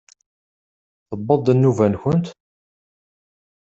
Tewweḍ-d nnuba-nkent?